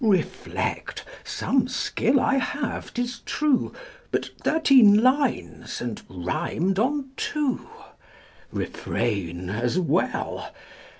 Reflect. Some skill I have, 'tis true; But thirteen lines! and rimed on two! "Refrain" as well.